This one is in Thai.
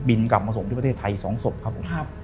กลับมาส่งที่ประเทศไทย๒ศพครับผม